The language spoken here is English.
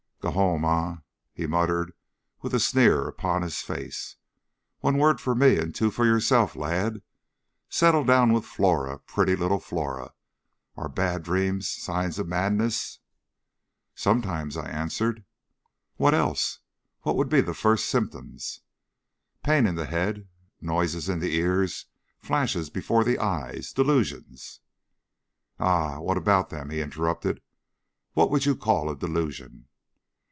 "Get home, eh?" he muttered, with a sneer upon his face. "One word for me and two for yourself, lad. Settle down with Flora pretty little Flora. Are bad dreams signs of madness?" "Sometimes," I answered. "What else? What would be the first symptoms?" "Pains in the head, noises in the ears flashes before the eyes, delusions" "Ah! what about them?" he interrupted. "What would you call a delusion?"